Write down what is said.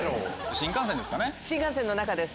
新幹線の中です。